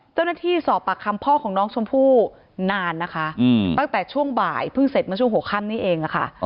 เจ้าหน้าที่สอบปากคำพ่อของน้องชมพู่นานนะคะตั้งแต่ช่วงบ่ายเพิ่งเศรษฐภาพมันชั่วโหโขมนี้เอง